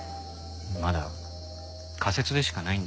まだ仮説でしかないんだよ。